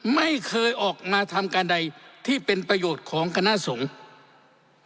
ไม่เคยออกมาทำการใดที่เป็นประโยชน์ของคณะสงฆ์